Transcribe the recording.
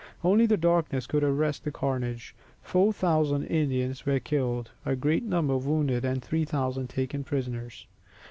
Only the darkness could arrest the carnage. Four thousand Indians were killed, a greater number wounded, and 3000 were taken prisoners.